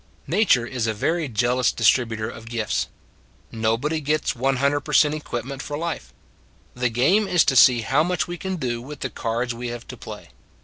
Nature is a very jealous distributor of gifts. Nobody gets a loo /o equipment for life. The game is to see how much we can do with the cards we have to play.